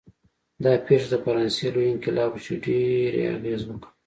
دا پېښه د فرانسې لوی انقلاب و چې ډېر یې اغېز وکړ.